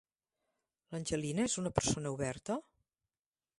L'Angelina és una persona oberta?